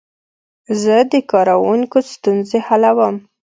زه د کاروونکو ستونزې حلوم.